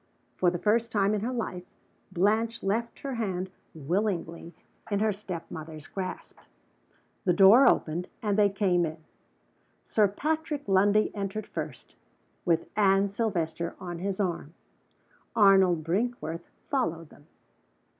For the first time in her life, Blanche left her hand willingly in her step mother's grasp. The door opened, and they came in. Sir Patrick Lundie entered first, with Anne Silvester on his arm. Arnold Brinkworth followed them.